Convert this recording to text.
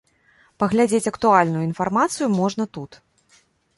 Паглядзець актуальную інфармацыю можна тут.